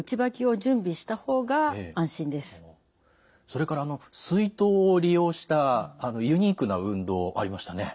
それから水筒を利用したユニークな運動ありましたね。